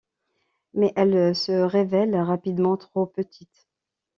Mais elle se révèle rapidement trop petite.